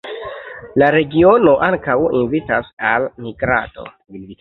La regiono ankaŭ invitas al migrado.